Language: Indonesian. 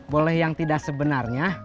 boleh yang tidak sebenarnya